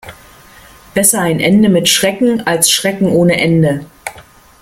Besser ein Ende mit Schrecken, als Schrecken ohne Ende.